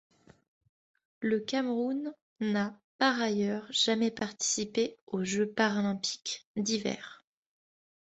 Le Cameroun n'a par ailleurs jamais participé aux Jeux paralympiques d'hiver.